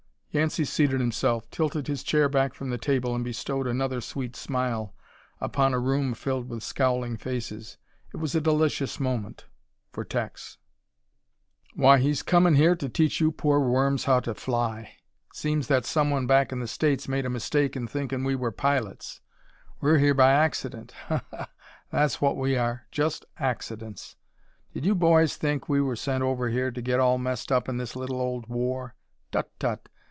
Yancey seated himself, tilted his chair back from the table and bestowed another sweet smile upon a room filled with scowling faces. It was a delicious moment for Tex. "Why, he's comin' here to teach you poor worms how to fly. It seems that someone back in the States made a mistake in thinkin' we were pilots. We're here by accident. Ha! Ha! That's what we are just accidents. Did you boys think we were sent over here to get all messed up in this little old war? Tut, tut!